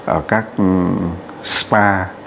ở các spa